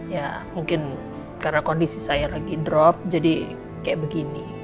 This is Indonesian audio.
ya mungkin karena kondisi saya lagi drop jadi kayak begini